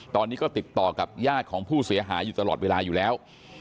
ตอนนี้ก็ติดต่อกับญาติของผู้เสียหายอยู่ตลอดเวลาอยู่แล้ว